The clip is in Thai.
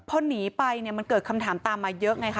พอหนีไปเนี่ยมันเกิดคำถามตามมาเยอะไงคะ